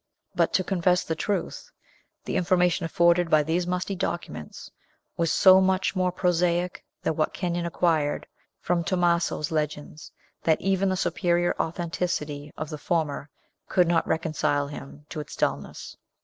But, to confess the truth, the information afforded by these musty documents was so much more prosaic than what Kenyon acquired from Tomaso's legends, that even the superior authenticity of the former could not reconcile him to its dullness.